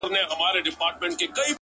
• چي د «لر او بر یو افغان» ,